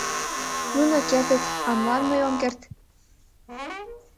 Нуно кертыт, а молан мый ом керт?